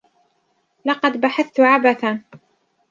لقد بحثت عبثا